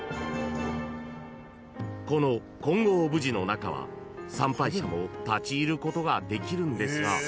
［この金剛峯寺の中は参拝者も立ち入ることができるんですが］